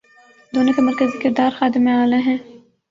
دونوں کے مرکزی کردار خادم اعلی ہیں۔